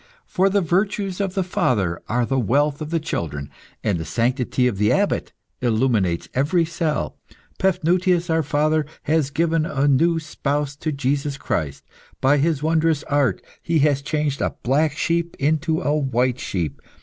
For the virtues of the father are the wealth of the children, and the sanctity of the Abbot illuminates every cell. Paphnutius, our father, has given a new spouse to Jesus Christ. By his wondrous art, he has changed a black sheep into a white sheep.